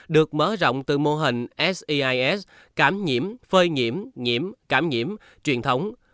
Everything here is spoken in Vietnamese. được mở rộng từ mô hình seis cảm nhiễm phơi nhiễm nhiễm cảm nhiễm truyền thống